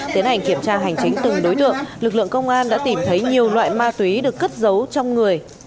tiến hành kiểm tra hành chính từng đối tượng lực lượng công an đã tìm thấy nhiều loại ma túy được cất giấu trong người